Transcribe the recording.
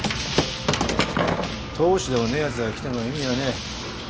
当主でもねえやつが来ても意味はねえ。